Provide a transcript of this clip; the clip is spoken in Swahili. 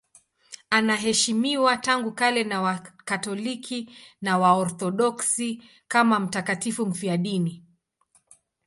Anaheshimiwa tangu kale na Wakatoliki na Waorthodoksi kama mtakatifu mfiadini.